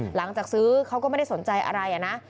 หลังจากซื้อเขาก็ไม่ได้สนใจอะไรนะ